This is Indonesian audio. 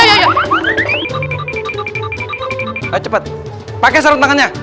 ayo cepat pakai sarut mangannya